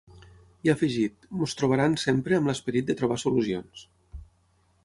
I ha afegit: “ens trobaran sempre amb l’esperit de trobar solucions”.